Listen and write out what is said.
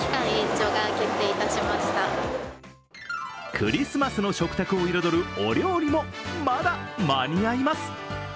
クリスマスの食卓を彩るお料理もまだ間に合います。